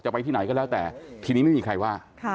ไปที่ไหนก็แล้วแต่ทีนี้ไม่มีใครว่า